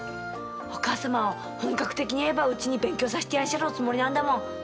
お母様は本格的に絵ばうちに勉強させてやんしゃるおつもりなんだもん。